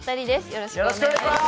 よろしくお願いします！